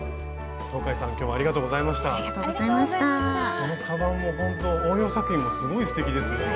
そのカバンもほんと応用作品もすごいすてきですよね。